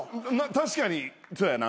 確かにそやな。